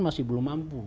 masih belum mampu